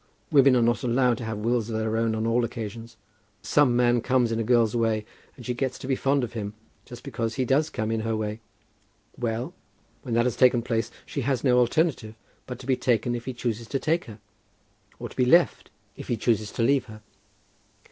Women are not allowed to have wills of their own on all occasions. Some man comes in a girl's way, and she gets to be fond of him, just because he does come in her way. Well; when that has taken place, she has no alternative but to be taken if he chooses to take her; or to be left, if he chooses to leave her."